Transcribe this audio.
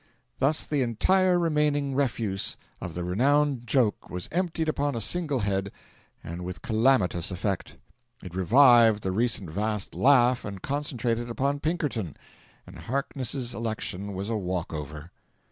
Thus the entire remaining refuse of the renowned joke was emptied upon a single head, and with calamitous effect. It revived the recent vast laugh and concentrated it upon Pinkerton; and Harkness's election was a walk over.